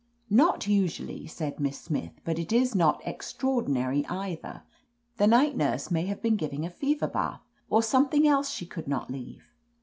"Not usually," said Miss Smith, "but it is not extraordinary, eithen The night nurse may have been giving a fever bath, or some thing else she could not leave.